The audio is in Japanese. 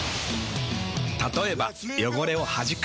たとえば汚れをはじく。